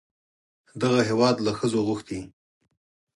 دغه هېواد له ښځو غوښتي